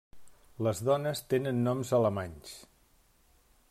Les dones tenen noms alemanys.